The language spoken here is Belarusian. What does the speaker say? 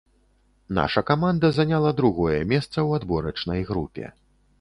Наша каманда заняла другое месца ў адборачнай групе.